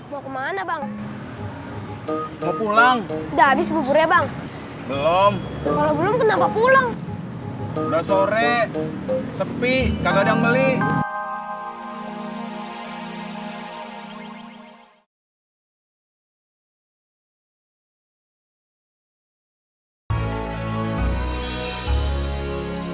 mau pulang udah habis buburnya bang belum belum kenapa pulang udah sore sepi kadang beli